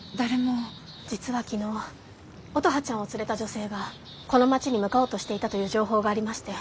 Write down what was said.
実は昨日乙葉ちゃんを連れた女性がこの街に向かおうとしていたという情報がありまして。